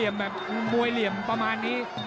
แบบมวยเหลี่ยมประมาณนี้